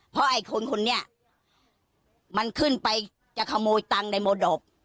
เพราะไอ้คนนี่มันขึ้นไปคโมยตังในโมดบ